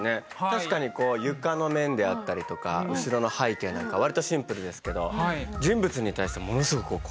確かにこう床の面であったりとか後ろの背景なんかわりとシンプルですけど人物に対してものすごく細かく。